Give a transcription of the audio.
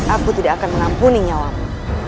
aku tidak akan mengampuni nyawamu